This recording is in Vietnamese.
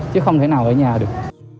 chứ không thể nào ở nhà được